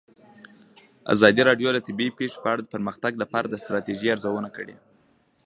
ازادي راډیو د طبیعي پېښې په اړه د پرمختګ لپاره د ستراتیژۍ ارزونه کړې.